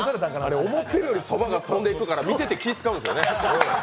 あれね思ってるよりそばが飛んでくから気を使うんですよね。